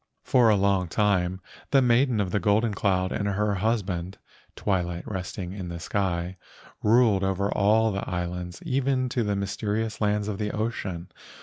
For a long time the Maiden of the Golden Cloud and her husband, Twilight Resting in the Sky, ruled over all the islands even to the mysterious lands of the ocean.